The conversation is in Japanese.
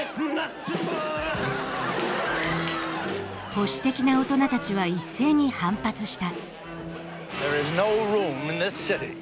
保守的な大人たちは一斉に反発した。